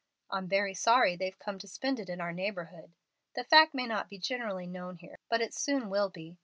I'm very sorry they've come to spend it in our neighborhood. The fact may not be generally known here, but it soon will be.